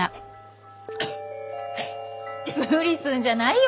無理すんじゃないよ